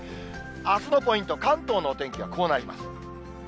あすのポイント、関東のお天気はこうなります。